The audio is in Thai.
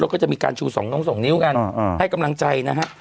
แล้วก็จะมีการชู๒นิ้วกันให้กำลังใจนะฮะ